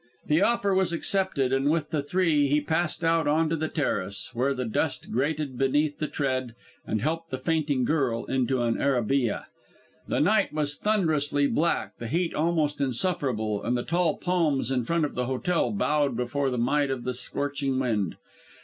The offer was accepted, and with the three he passed out on to the terrace, where the dust grated beneath the tread, and helped the fainting girl into an arabîyeh. The night was thunderously black, the heat almost insufferable, and the tall palms in front of the hotel bowed before the might of the scorching wind.